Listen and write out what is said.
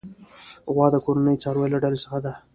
غوا د کورني څارويو له ډلې څخه ده.